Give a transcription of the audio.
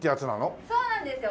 そうなんですよ。